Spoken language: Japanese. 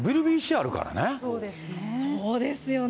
そうですよね。